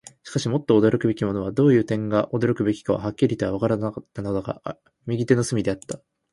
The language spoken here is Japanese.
しかし、もっと驚くべきものは、どういう点が驚くべきかははっきりとはわからなかったのだが、右手の隅であった。